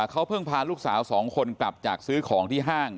เขาเพิ่งพาลูกสาว๒คนกลับจากซื้อของที่ห้าง